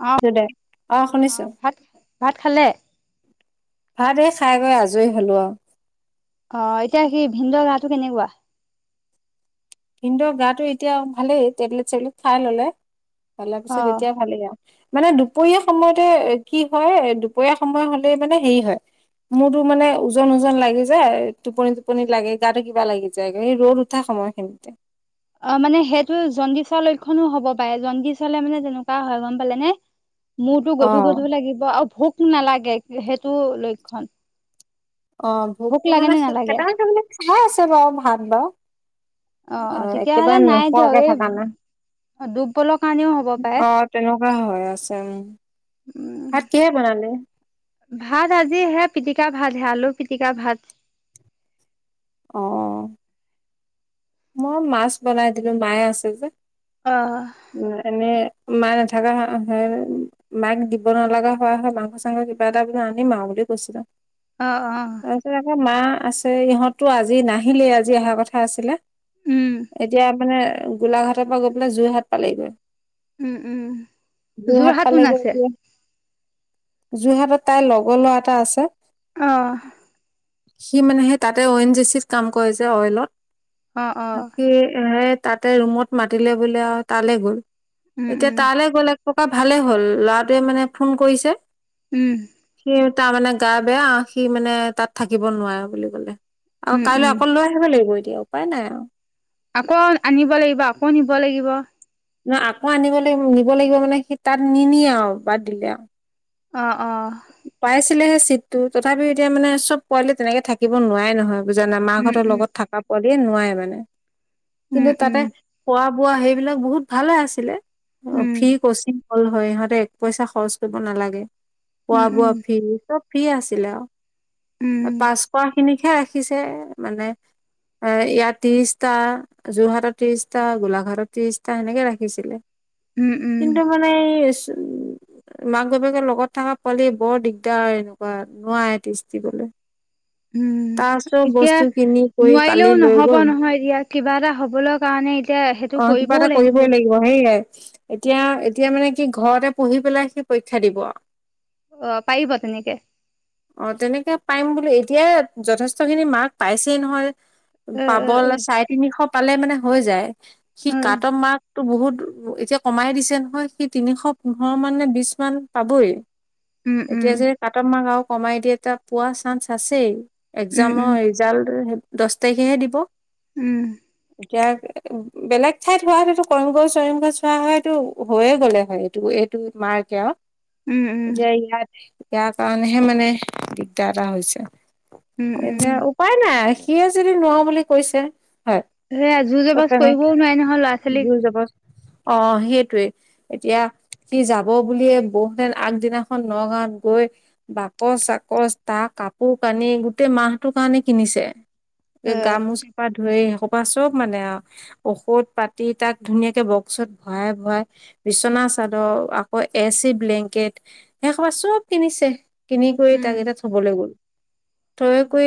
অ অঁহ', অ শুনিছো। ভাত ভাত খালে ভাত এই খাই গৈ আজৰি হ'লো আৰু। অহ', এতিয়া হেৰি ভিনদেউৰ গাটো কেনেকুৱা। ভিনদেউৰ গাটো এতিয়া ভালেই টেবলেট-চেবলেট খাই ল'লে, ভালৰ অ পিছত এতিয়া ভালেই আৰু। মানে দুপৰীয়া সময়তে কি হয় দুপৰীয়া সময় হ'লে মানে হেৰি হয় মোৰতো মানে ওজন-ওজন লাগি যায়, টোপনি-টোপনি লাগে গাটো কিবা লাগি যায়। ৰ'দ উঠা সময়খিনিতে। অ' মানে সেইটো জণ্ডিচৰ লক্ষণো হ'ব পাৰে, জণ্ডিচ হ'লে মানে তেনেকুৱা হয় গ'ম পালে নে। মুৰটো অ গধু-গধু লাগিব, আৰু ভোক নালাগে সেইটো লক্ষণ। অহ, - ভোক ভোকটো লাগে মানে নে নালাগে চবকেইটাই একেলগে খায় আছে বাৰু ভাত বাৰু। অ অ অহ', - তেতিয়াহ'লে একেবাৰে নাই দিয়ক নোখোৱাকে এই থকা নাই। দুৰ্বলৰ কাৰণেও হ'ব পাৰে অঁহ', তেনেকুৱা হয়, আছে উম। উম ভাত কিহেৰে বনালি? ভাত আজি সে পিটিকা ভাত হে আলু পিটিকা ভাত। অঁহ। মই মাছ বনাই দিলো মায়ে আছে যে। অহ। উম, এনেই মা নাথাকা। [unintelligible] মাক দিব নালগা হোৱা হয় মাংস চাংস কিবা এটা আনিম আৰু বুলি কৈছিলো। অ', অ'। তাৰপিছত আকৌ মা আছে ইহঁতো আজি নাহিলেই আজি অহাৰ কথা আছিলে। উম। এতিয়া মানে গোলাঘাটৰ পৰা গৈ পেলাই যোৰহাট পালেগৈ। উম উম যোৰহাট কোন পালেগে আছে এতিয়া। যোৰহাটত তাইৰ লগৰ ল'ৰা এটা আছে। অ সি মানে সেই তাতে অইন জেচিত কাম কৰে যে অইলত। অ অ সি সে তাতে ৰুমত মাতিলে বোলে আৰু তালে গ'ল উম এতিয়া উম তালে গ'লে। ককা ভালে হ'ল ল'ৰাটোৱে মানে ফোন কৰিছে। উম। সি তাৰ মানে গা বেয়া সি মানে তাত থাকিব নোৱাৰে বুলি কলে। আৰু উম কাইলৈ উম অকল লৈ আহিব লাগিব এতিয়া উপায় নাই। আৰু আকৌ আনিব লাগিব আকৌ নিব লাগিব। ন আকৌ আনিব লাগিব নিব লাগিব মানে সি তাত নি নিয়ে আও বাদ দিলে আও। অ অ। পাইছিলেহে চিটটো তথাপিও এতিয়া মানে চব পোৱালি তেনেকে থাকিব নোৱাৰে নহয়। বুজানা উম মাকাহঁতৰ উম লগত থকা পোৱালিয়ে নোৱাৰে মানে উম কিন্তু তাতে। খোৱা বোৱা সেইবিলাক বহুত ভালে আছিলে অ উম ফ্ৰী কচিং। হল হয় ইহঁতে এক পইচা খৰচ কৰিব নালাগে। খোৱা উম বোৱা উম ফ্ৰী চব ফ্ৰীয়ে আছিলে উম উম আও। পাঁচ কৰা খিনিকহে ৰাখিছে মানে এ ইয়াত ত্ৰিশটা। যোৰহাটত ত্ৰিশটা গোলাঘাটত ত্ৰিশটা সেনেকে ৰাখিছিলে। উম উম কিন্তু মানে ইছ মাক বাপেকে লগত থকা। পোৱালি বৰ দিগদাৰ এনেকুৱা নোৱাৰেই টিষ্টদিবলে। উম। [inaudible] এতিয়া কিনি কৰি কালি নোৱাৰিলেও লৈ নহব গ'ল নহয় এতিয়া কিবা এটা হবলৈ কাৰণে এতিয়া হে। অ কিবা এটা কৰিবই লা। [unintelligible] এতিয়া এতিয়া মানে কি ঘৰতে পঢ়ি পেলাই সি পৰীক্ষা দিব। অ পাৰিব তেনেকে। অ তেনেকে পাইম বোলি এতিয়াই যথেষ্ট খিনি মাৰ্ক পাইছেই নহয়। অ পাব অ অ লে চাৰে তিনিশ পালে মানে হৈ যায় সি অ কাট মাৰ্ক। টো বহুত এতিয়া কমাই দিছে নহয় সি তিনিশ পোন্ধৰ মান নে বিশ মান পাবই। উম উম এতিয়া যে কাট মাৰ্ক আৰু কমাই দিয়ে এটা পোৱা চান্স আছেই উম উম একজামৰ। জাল দহ তাৰিখেহে দিব। উম। এতিয়া বেলেগ ঠাইত হোৱাহেটেতো কৰিগ চৰিগ চোৱা হয় সেতু হৈয়ে গ'লে হয় এইটো এ [unintelligible] উম উম যে ইয়াত ইয়াৰ কাৰণেহে মানে দিগদাৰ এটা হৈছে। উম উম। [inaudible] উপায় নাই সিয়ে যদি নোৱাৰো বুলি কৈছে হয়। সেইয়া জুৰ ত' জবজ তেনেকে কৰিবও নোৱাৰি নহয় ল'ৰা ছোৱালীক। [inaudible] অ', সেইটোৱে এতিয়া সি যাব বুলিয়ে বৌহঁতে আগদিনা খন নগাঁৱত গৈ বাকচ চাকচ তাৰ কাপোৰ কানি গোটেই মাহটোৰ কাৰণে কিনিছে। অ এই গামোচা পা ধৰি সেই খোপা চব মানে আৰু। ঔষধ পাতি তাক ধুনীয়াকে বক্সত ভৰাই ভৰাই বিচনা চাদৰ আকৌ এ চি ব্লেংকেট। সেই সোপা চব কিনিছে কিনি কৰি উম তাক এতিয়া থ'বলৈ গ'ল। থৈ কৰি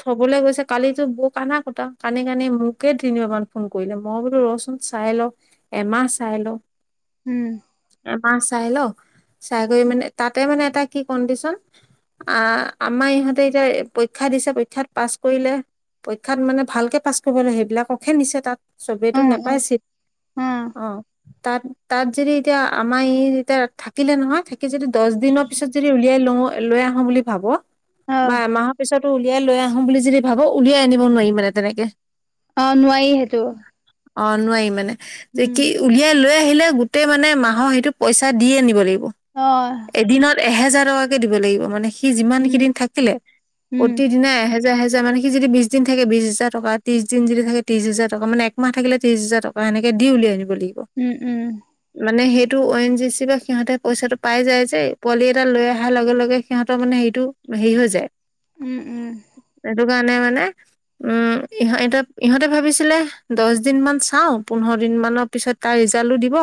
থবলৈ গৈছে কালিতো বৌক আনা কথা কান্দি কান্দি মোকে তিনিবাৰ মান ফোন কৰিলে মই বোলো ৰচোন। চাই লওঁ এমাহ চাই লওঁ। উম। এমাহ চাই লওঁক চাই কৰি মানে তাতে মানে এটা কি কণ্ডিশন আ আমাৰ ইহঁতে এতিয়া পৰীক্ষা দিছে পৰীক্ষাত পাছ কৰিলে পৰীক্ষাত মানে ভালকে পাছ কৰিব লাগে, সেইবিলাককহে নিছে তাত অ চবেইতো অ নেপাই ছিট। অ', তাত তাত যদি এতিয়া আমাৰ ই এতিয়া থাকিলে নহয় থাকি যদি দহ দিনৰ পিছত যদি উলিয়াই লওঁ লৈ আহো বুলি ভাব অ বা এমাহত পিছতো উলিয়াই লৈ আহো বুলি যদি ভাবো, উলিয়াই আনিব নোৱাৰি মানে তেনেকে। অ', নোৱাৰি সেইটো। অ', নোৱাৰি মানে তে উম কি উলিয়াই লৈ আহিলে গোটেই মানে মাহৰ সেইটো পইচা দি আনিব লাগিব। অ'। এদিনত এহেজাৰ টকাকে দিব লাগিব মানে সি যিমান উম, কেইদিন থাকিলে। উম। প্ৰতিদিনে এহেজাৰ এহেজাৰ মানে সি যদি বিশ দিন থাকে বিশ হাজাৰ টকা, তিশ দিন যদি থাকে ত্ৰিশ হাজাৰ টকা মানে একমাহ থাকিলে ত্ৰিশ হাজাৰ টকা এনেকে দি উলাই আনিব লাগিব। উম, উম। মানে সেইটো অ এন জি চি পা সিহঁতে পইচাটো পাই যায় যে পোৱালি এটা লৈ অহাৰ লগে লগে সিহঁতৰ মানে হেৰিটো হেৰি হৈ যায়। উম, উম। এইটো কাৰনে মানে উম, ইহ-এ ইহঁতে ভাবিছিলে দহ দিন মান চাওঁ পোন্ধৰ দিন মানৰ পিছত তাৰ ৰিজাল্টটো দিব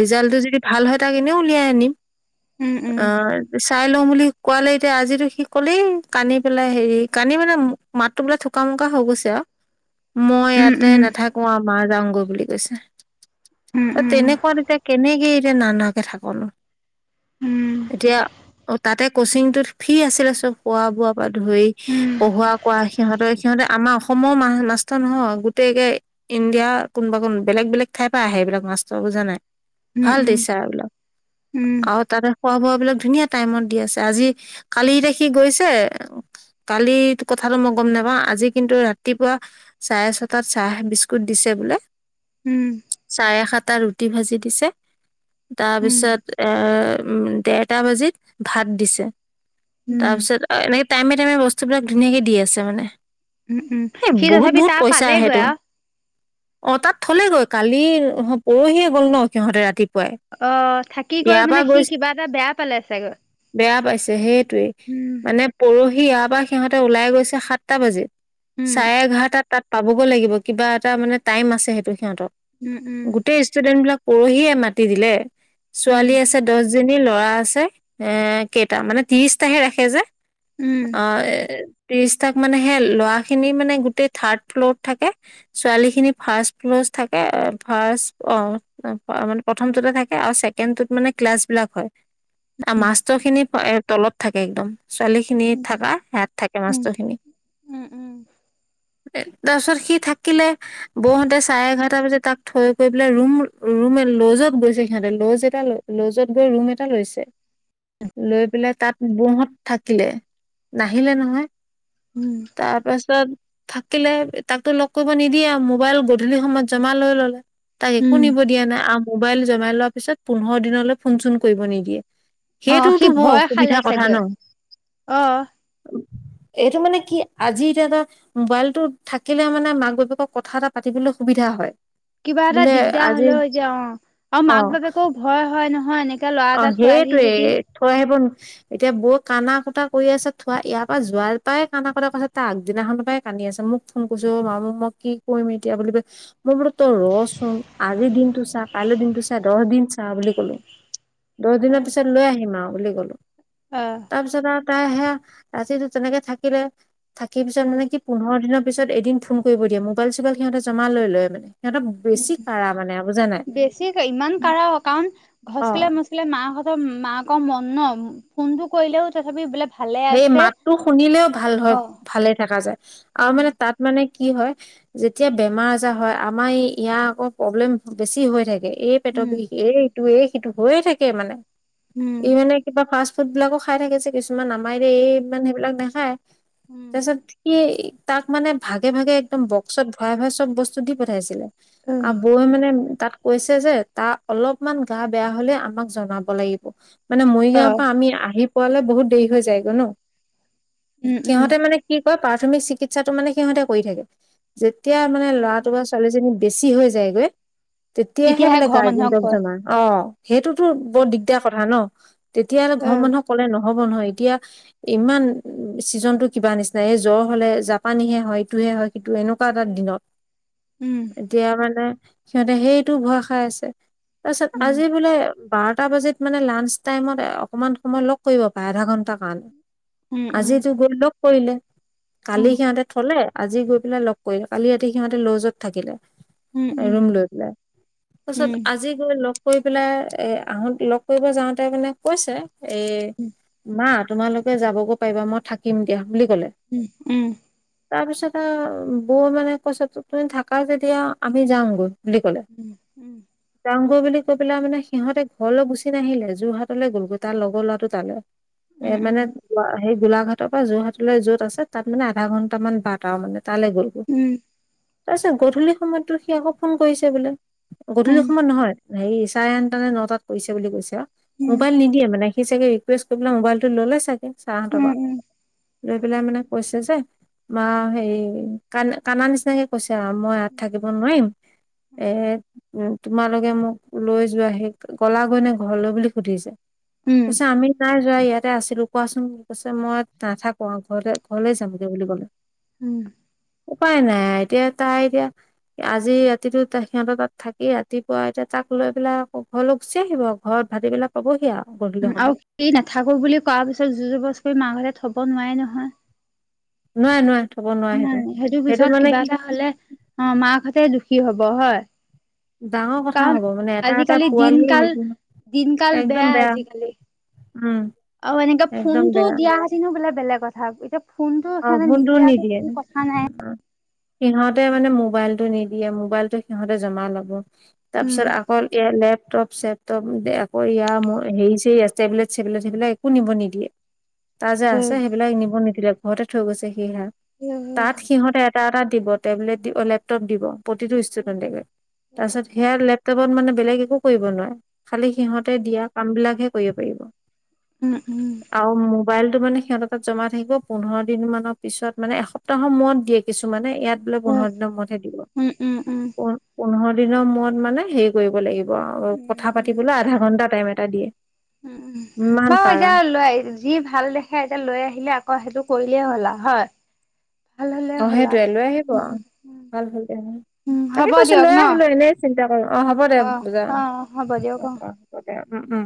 ৰিজাল্টটো যদি ভাল হয় তাক এনেও উলিয়াই আনিম। উম, উম, অ'। চাই লওঁ বুলি কোৱালে এতিয়া আজিটো সি ক'লেই কান্দি পেলাই হেৰি কান্দি মানে মাতটো বোলে থোক মোকা হৈ গৈছে আৰু। [inaudible] মই উম, উম, ইয়াতে উম। নাথাকো আৰু মা যাওঁ গৈ বুলি কৈছে। উম, উম, তেনেকুৱা এতিয়া কেনেকে এতিয়া নানাকে থাকনো। উম, উম, এতিয়া অ' তাতে কচিংটোত ফি আছিলে চব খোৱা বোৱা পা ধৰি পঢ়োৱা কৰা সিহঁতৰ সিহঁতে আমাৰ অসমৰ মাষ্টৰ নহয় গোটেই একে ইণ্ডিয়া কোনোবা কোনো বেলেগ বেলেগ ঠাই পৰা আহে সেইবিলাক মাষ্টৰ বুজা নাই। উম, ভাল উম, টিচাৰ বিলাক উম। আৰু তাতে খোৱা বোৱাবিলাক ধুনীয়া টাইমত দি আছে আজি কালি দেখি গৈছে। কালি কথাটো মই গম নাপাওঁ আজি কিন্তু ৰাতিপুৱা চাৰে ছয় তাত চাহ বিস্কুট দিছে বোলে। উ সাৰে সাত টাত ৰুটি ভাজি দিছে তাৰ পিছত এ উম দেৰটা বাজিত ভাত দিছে উম, তাৰপিছত আ এনে টাইমে টাইমে বস্তুবিলাক ধুনীয়াকে দি আছে মানে উম, উম, এ সি বহুত তথাপি বহুত তাৰ পইচা পালেগৈ আহেটো। আৰু অ তাত থলেগৈ কালি নহ পৰহিয়ে গ'ল ন সিহঁতে ৰাতিপুৱাই অ থাক ইয়া পা গৈছ বেয়া পাইছে সেইটোৱেই উম, মানে। পৰহি ইয়া পা সিহঁতে ওলাই গৈছে সাতটা বাজি, উম, চাৰে এঘাৰটাত তাত পাবগৈ লাগিব কিবা এটা মানে টাইম আছে। সেইটো সিহঁত উম, উম, গোটেই ষ্টুডেন্ট বিলাক পৰহিয়ে মাতি দিলে ছোৱালী আছে দহ জনী ল'ৰা আছে এ কেইটা মানে ত্ৰিৰিশটাহে ৰাখে যে উম, অ এ ত্ৰিশ তাক মানে সে ল'ৰা খিনি মানে গোটেই থাৰ্ড ফ্ল'ত থাকে। ছোৱালী খিনি ফাৰ্ষ্ট ফ্লছ থাকে ফাছ অ তাপা মানে প্ৰথমটোতে থাকে আউ চে কেণ্ডটোত মানে ক্লাছ বিলাক হয় আ মাষ্টৰ খিনি এ তলত থাকে একদম ছোৱালী খিনি উম। থাকা সেয়াত থাকে উম, মাষ্টৰ খিনি উম, উম, উম, এ তাৰপিছত সি থাকিলে বৌহঁতে চাৰে এঘাৰটা বজাত তাক থৈ কৰি পেলাই ৰুম ৰুমে লজত গৈছে সিহঁতে লজে এটা ল লজত গৈ ৰুম এটা লৈছে লৈ পেলাই তাত বৌহত থাকিলে নাহিলে নহয় উম তাৰপাছত থাকিলে তাকটো লগ কৰিব নিদিয়ে আৰু মোবাইল গধূলি সময়ত জমা লৈ ললে তাক একো উম। নিব দিয়া নাই আ মোবাইল জমাই লোৱা পিছত পোন্ধৰ দিনলৈ ফোন চোন কৰিব নিদিয়ে অ', সি সেইটোওতো ব ভয় খালে অসুবিধা কথা ন চাগৈ অ'। এইটো মানে কি আজি এইটা তা মোবাইলটো থাকিলে মানে মাক বাপেকক কথা এটা পাতিবলৈ সুবিধা হয় কিবা এটা বোলে দিগদাৰ আজি হলেও এতিয়া অ আৰু অ মাক বাপেকও ভয় হয় নহয় এনে কে ল'ৰা অ এটা থোৱাহি সেইটোৱে যদি থৈ আহিবন এতিয়া বৌ কানা কুটা কৰি আছে থোৱা ইয়াৰ পৰা যোৱাৰ পৰাই কানা কুটা কৰিছে তাৰ আগদিনাখনৰ পৰাই কান্দি আছে মোক ফোন কছো মা মই কি কৰিম এতিয়া বুলি পে মোৰ বোলো তই ৰচোন আজিৰ দিনটো চাহ কাইলৈ দিনটো চা দহ দিন চা বুলি কলোঁ দহ দিনৰ অ', পিছত লৈ আহিম আউ বুলি কলো অ তাৰপিছত আৰু তাই সেয়া ৰাতিটো তেনেকে থাকিলে থাকি পিছত মানে কি পোন্ধৰ দিনৰ পিছত এদিন ফোন কৰিব দিয়ে মোবাইল চোবাইল সিহঁতে জমা লৈ লয় মানে সিহঁতৰ উ বেছি কাঢ়া মানে বুজা নাই বেছি ইমান কাঢ়া কাৰণ ঘছ অ খিলা ম চিলে মাকহঁতৰ মাক মন ফোনটো কৰিলেও তথাপি বোলে ভালে সেই আছে মাতটো শুনিলেও ভাল হয় অ', ভালে থাকা যায় আৰু উম, মানে তাত মানে কি হয় যেতিয়া বেমাৰ আজাৰ হয় আমাৰ ইয়াৰ আকৌ প্ৰব্লেম বেছি হৈ থাকে এই পেটৰ উম, বিষ এই ইটো এই সিটো হৈয়ে থাকে মানে উম, ই মানে কিবা ফাৰ্ষ্ট ফুটবিলাকো খাই থাকে যে কিছুমান আমাৰ দে এই ইমান সেইবিলাক নাখায় উম, তাৰ পিছত সি এই তাক মানে ভাগে ভাগে একদম বক্সত ভৰা ভৰা চব বস্তু দি পঠাইছিলে উম, আগ বৌৱে মানে তাত কৈছে যে, তাৰ অলপমান গা বেয়া হ'লে আমাক জনাব লাগিব। মানে মৰিগাঁৱৰ অ', পৰা আমি আহি পোৱালে বহুত দেৰি হৈ যায়গে ন', উম, উম, সিহঁতে মানে কি কয়, প্ৰাথমিক চিকিৎসাটো মানে সিহঁতে কৰি থাকে। যেতিয়া মানে উম, উম, ল'ৰাটো বা ছোৱালীজনী বেছি হৈ যায়গৈ তেতিয়াহে বোলে ঘৰৰ মানুহক গাৰ্জেনটক কয় জনায়। অ', সেইটোতো বৰ উম, দিগদাৰ কথা ন', তেতিয়াহ'লে ঘৰৰ মানুহক ক'লে নহব নহয়, এতিয়া ইমান ছিজনটো কিবা নিচিনা, এই জ্বৰ হ'লে জাপানীহে হয় ইটোহে হয়। এইটো, এনেকুৱা এটা দিনত, উম, এতিয়া মানে সিহঁতে সেইটো ভয় খাই আছে, তাৰ পিছত, উম, আজি বোলে বাৰটা বাজিত মানে লাঞ্চ টাইমত অকমান সময় লগ কৰিব পাৰে, আধা ঘন্টা কাৰণে। উম, উম, আজিতো গৈ লগ কৰিলে, কালি উম, সিহঁতে থলে। আজি গৈ পেলাই লগ কৰিলে, কালি ৰাতি সিহঁতে লজত থাকিলে উম, ৰুম লৈ পেলাই। উম, তাৰপিছত উম, আজি গৈ লগ কৰি পেলাই এ, আহো, লগ কৰিব যাওঁতে মানে কৈছে, এই, মা তোমালোকে যাবগৈ পাৰিবা মই থাকিম দিয়া বুলি ক'লে। উম, উম। তাৰ পিছত, বৌ মানে কৈছ, তুমি থাকা যেতিয়া আমি যামগৈ। বুলি ক'লে। উম, যাওঁগৈ বুলি কৈ পেলাই মানে, সিহঁতে ঘৰলৈ গুচি নাহিলে, যোৰহাটলৈ গ'লগৈ তাৰ লগৰ ল'ৰাটো তালৈ। এ উম, উম, মানে, সেই গোলাঘাটৰ পৰা যোৰহাটলৈ য'ত আছে, তাত মানে আধা ঘণ্টা মান বাট আৰু মানে। তালৈ গ'লগে, উম, তাৰপিছত গধূলি সময়ততো সি আকৌ ফোন কৰিছে বোলে। উম, গধূলি সময়ত নহয়, হেৰি চাৰে আঠটা নে, নটাত কৰিছে বুলি কৈছে আৰু। উম, মোবাইল নিদিয়ে মানে, সি চাগে ৰিকুৱেষ্ট কৰি পেলাই মোবাইলটো ল'লে চাগে চাৰ হঁতৰ উম, পৰা। উম, লৈ পেলাই মানে কৈছে যে, মা হেৰি কান, কান্দা নিচিনাকে কৈছা আৰু মই ইয়াত থাকিব নোৱাৰিম। এ, উম, তোমালোকে মোক লৈ যোৱাহি, গলাগৈ নে ঘৰলৈ বুলি সুধিছে। তাৰ উম, পিছত আমি নাই যোৱা ইয়াত। আছিলো কোৱাচোন, কৈছে মই নাথাকো আৰু ঘৰ ঘৰলৈ যামগে বুলি ক'লে। উম। উপায় নাই এতিয়া, তাই এতিয়া। আজি ৰাতিটো সিহঁতৰ তাত থাকি, ৰাতিপুৱা এতিয়া তাক লৈ পেলাই আকৌ ঘৰলৈ গুচি আহিব। ঘৰত ভাতিবেলা পাবহি আৰু গধুলি সময়ত। সি নাথাকো বুলি কোৱাৰ পিছত, মাকহঁতে জোৰজবৰদষ্টি কৰি থব নোৱাৰে নহয়। নোৱাৰে নোৱাৰে থ'ব ন নাই, সেইটো পিছত কিবা এটা হ'লে অ' মাকহতে দুখী হ'ব হয়। ডাঙৰ কথা কাৰণ হ'ব মানে এটা এটা আজিকালি পোৱালি দিনকাল, সেইটো দিনকাল বেয়া আজিকালি। উম অ', এনেকে একদম ফোনটো বেয়া দিয়া হেঁতেনো বোলে বেলেগ কথা, এতিয়া ফোনটো অ সিহঁতে ফোনটো নিদিয়াতো নিদিয়ে কোনো কথা নাই। সিহঁতে মানে মোবাইলটো নিদিয়ে, মোবাইলটো সিহঁতে জমা ল'ব, উম, তাৰপিছত অকল লেপটপ চেপটপ আকৌ ইয়াৰ হেৰি টেবলেট চেবলেট সেইবিলাক একো নিব নিদিয়ে। [inaudible] তাৰ যে আছে সেইবিলাক নিব নিদিলে, ঘৰতে থৈ গৈছে সি, উম, তাত সিহঁতে এটা এটা দিব টেবলেট দিব, লেপটপ দিব প্ৰতিটো ষ্টুডেণ্টকে। তাৰপিছত সেয়া লেপটপত মানে বেলেগ একো কৰিব নোৱাৰে, খালি সিহঁতে দিয়া কাম বিলাকহে কৰিব পাৰিব। উম উম। আৰু মোবাইলটো মানে সিহঁতৰ তাত জমা থাকিব। পোন্ধৰ দিন মানৰ পিছত মানে এসপ্তাহৰ মূৰত দিয়ে কিছুমানে ইয়াত বোলে উম, পোন্ধৰ দিনৰ মূৰতহে দিব, উম, উম, উম, প পোন্ধৰ দিনৰ মূৰত মানে হেৰি কৰিব লাগিব। উম, কথা উম, পাতিবলৈ আধা ঘন্টা টাইম এটা দিয়ে। ইমান কাঢ়া [unintelligible] লৈ যি ভাল দেখে এতিয়া লৈ আহিলে আকৌ সেইটো কৰিলেই হ'ল আৰু হয়? ভাল হ'লে অ' হ'লা সেইটোয়ে লৈ আহিব আহ উম, ভাল হ'লে হয়। উম, তাকে হ'ব কৈছো দিয়ক লৈ ন' আহিলো এনেই চিন্তা কৰো অঁ হ'ব দে অ', যা অ', হ'ব উম দিয়ক অঁ অ'। অঁ। তাকে, উম উম।